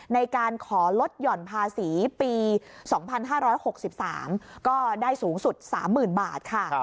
ในการขอลดหย่อนภาษีปี๒๕๖๓ก็ได้สูงสุด๓๐๐๐บาทค่ะ